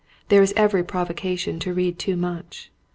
There is every provocation to read too much.